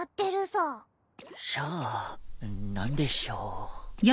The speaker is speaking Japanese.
さあ何でしょう。